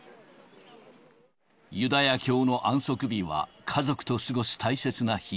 ユダヤ教の安息日は家族と過ごす大切な日。